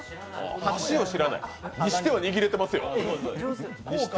箸を知らない？にしては握れてますよ。